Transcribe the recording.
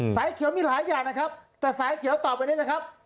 สายเขียวมีหลายอย่างนะครับแต่สายเขียวต่อไปนี้นะครับ